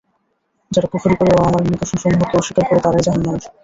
যারা কুফরী করে ও আমার নিদর্শনসমূহকে অস্বীকার করে তারাই জাহান্নামী।